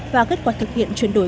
và kết quả thực hiện chuyển đổi